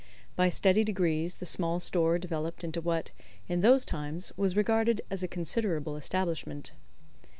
By steady degrees the small store developed into what, in those times, was regarded as a considerable establishment.